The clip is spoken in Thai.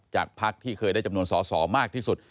พักที่เคยได้จำนวนสอสอมากที่สุด